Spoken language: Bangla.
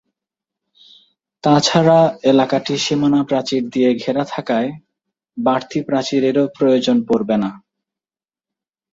তা ছাড়া এলাকাটি সীমানাপ্রাচীর দিয়ে ঘেরা থাকায় বাড়তি প্রাচীরেরও প্রয়োজন পড়বে না।